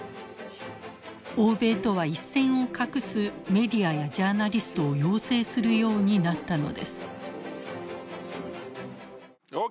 欧米とは一線を画すメディアやジャーナリストを養成するようになったのです。